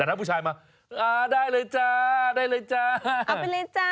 แต่ถ้าผู้ชายมาได้เลยจ้าได้เลยจ้า